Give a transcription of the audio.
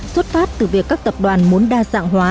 xuất phát từ việc các tập đoàn muốn đa dạng hóa